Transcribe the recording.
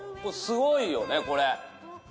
すごいよねこれ。